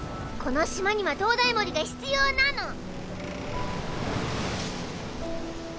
この島には灯台守が必要なの。